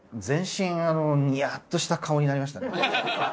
全身ニヤッとした顔になりましたね。